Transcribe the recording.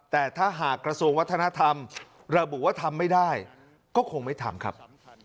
แต่ถ้าหากกระทรวงวัฒนธรรมระบุว่าทำไม่ได้ก็คงไม่ทำครับ